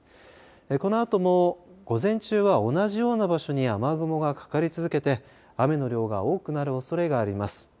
このあとも午前中は同じような場所に雨雲がかかり続けて雨の量が多くなるおそれがあります。